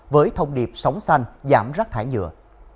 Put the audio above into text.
với thông điệp sóng xanh giảm rác thải nhựa